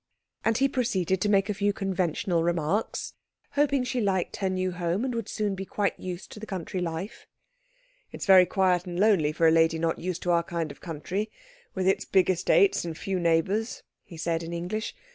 And he proceeded to make a few conventional remarks, hoping that she liked her new home and would soon be quite used to the country life. "It is very quiet and lonely for a lady not used to our kind of country, with its big estates and few neighbours," he said in English.